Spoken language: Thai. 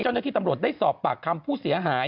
เจ้าหน้าที่ตำรวจได้สอบปากคำผู้เสียหาย